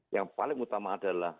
yang paling utama adalah